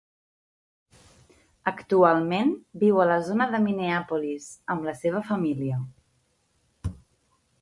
Actualment viu a la zona de Minneapolis amb la seva família.